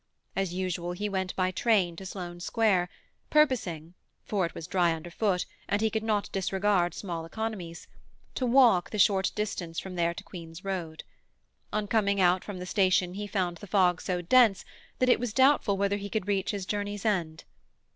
As usual, he went by train to Sloane Square, purposing (for it was dry under foot, and he could not disregard small economies) to walk the short distance from there to Queen's Road. On coming out from the station he found the fog so dense that it was doubtful whether he could reach his journey's end.